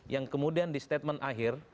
yang kemudian di statement akhir